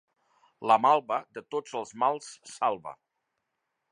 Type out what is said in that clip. La malva de tots els mals salva.